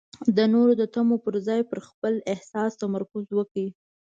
د نورو د تمو پر ځای پر خپل احساس تمرکز وکړئ.